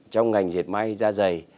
trong ngành diệt may da dày